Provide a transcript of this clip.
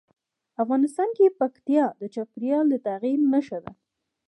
افغانستان کې پکتیا د چاپېریال د تغیر نښه ده.